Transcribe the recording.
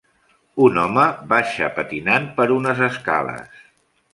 Un home baixa patinant per unes escales.